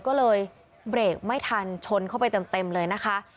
ก็เลยเบรกไม่ทันชนเข้าไปเต็มเลยนะคะ